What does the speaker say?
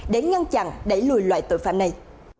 để ngăn chặn đẩy lùi loại tội phạm này